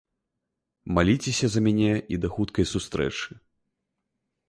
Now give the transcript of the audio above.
Маліцеся за мяне і да хуткай сустрэчы.